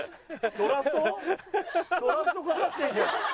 ドラフト懸かってんじゃん。